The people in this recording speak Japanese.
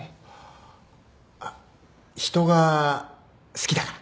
あっ人が好きだから？